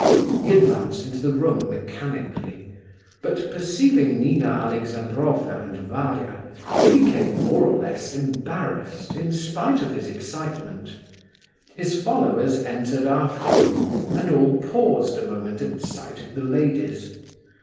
He advanced into the room mechanically; but perceiving Nina Alexandrovna and Varia he became more or less embarrassed, in spite of his excitement. His followers entered after him, and all paused a moment at sight of the ladies.